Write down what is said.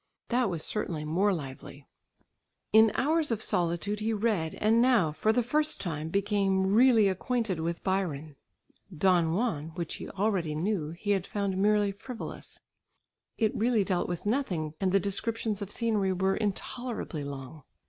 That was certainly more lively. In hours of solitude he read, and now for the first time, became really acquainted with Byron. "Don Juan," which he already knew, he had found merely frivolous. It really dealt with nothing and the descriptions of scenery were intolerably long.